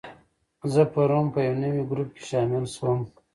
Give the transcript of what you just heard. زه پرون په یو نوي ګروپ کې شامل شوم.